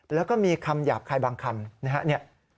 แล้วก็มีคำหยาบคายบางคำนะครับ